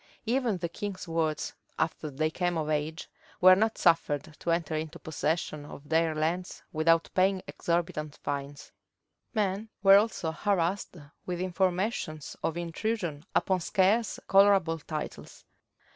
Even the king's wards, after they came of age, were not suffered to enter into possession of their lands without paying exorbitant fines. Men were also harassed with informations of intrusion upon scarce colorable titles.